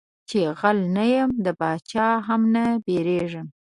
چي غل نه يم د باچا څه نه بيرېږم.